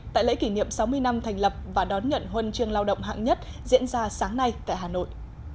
tại lễ kỷ niệm sáu mươi năm thành lập và đón nhận huân chương lao động hạng nhất diễn ra sáng nay tại hà nội